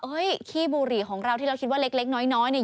ขี้บุหรี่ของเราที่เราคิดว่าเล็กน้อยเนี่ย